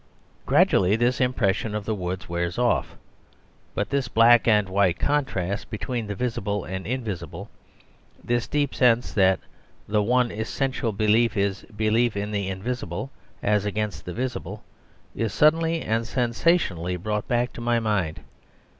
Gradually this impression of the woods wears off. But this black and white contrast between the visible and invisible, this deep sense that the one essential belief is belief in the invisible as against the visible, is suddenly and sensationally brought back to my mind.